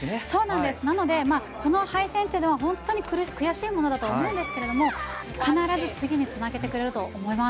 なので敗戦は本当に悔しいものと思いますが必ず次につなげてくれると思います。